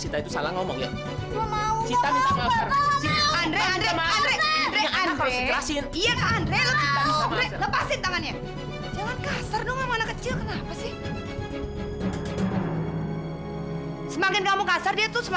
sita sekarang minta maaf sama mama ya